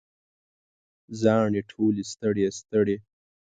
زاڼې ټولې ستړي، ستړي